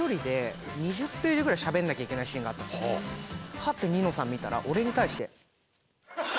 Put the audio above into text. ハッてニノさん見たら俺に対して。